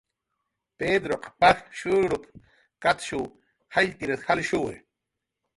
"Pedruq paj shururup"" katshuw jaylltir jalshuwi"